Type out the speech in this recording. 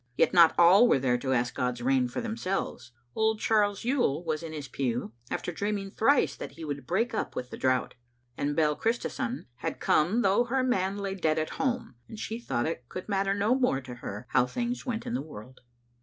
Yet not all were there to ask God's rain for themselves. Old Charles Yuill was in his pew, after dreaming thrice that he would break up with the drought; and Bell Christison had come, though her man lay dead at home, and she thought it could matter no more to her how things went in the world.